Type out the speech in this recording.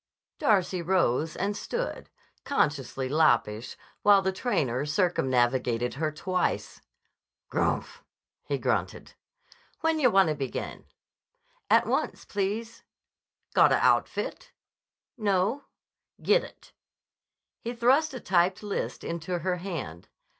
Darcy rose and stood, consciously loppish, while the trainer circumnavigated her twice. "Grmph!" he grunted. "When yah wanna begin?" "At once, please." "Gotta outfit?" "No." "Gittit." He thrust a typed list into her hand.